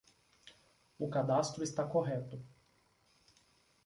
O cadastro está correto